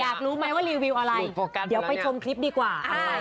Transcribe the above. รู้ไหมว่ารีวิวอะไรเดี๋ยวไปชมคลิปดีกว่า